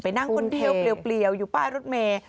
ไปนั่งคนเดียวเปรียวอยู่บ้านรถเมล์